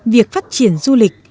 việc phát triển du lịch